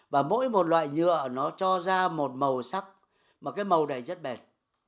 và mỗi một loại nhựa nó cho ra một màu sắc mà cái màu này rất bền